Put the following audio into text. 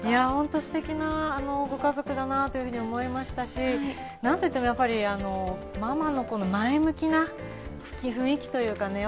すてきなご家族だなと思いましたし、何といっても、ママの前向きな雰囲気というか。